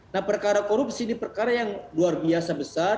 nah perkara korupsi ini perkara yang luar biasa besar